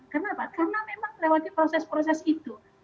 kenapa karena memang melewati proses proses itu